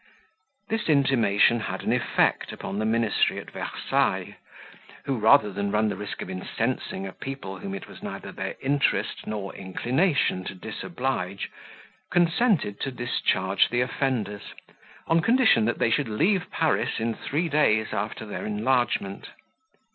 This intimation had an effect upon the ministry at Versailles, who, rather than run the risk of incensing a people whom it was neither their interest nor inclination to disoblige, consented to discharge the offenders, on condition that they should leave Paris in three days after their enlargement.